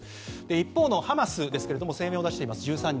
一方のハマスですが１３日、声明を出しています。